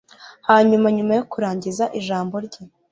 Hanyuma nyuma yo kurangiza ijambo rye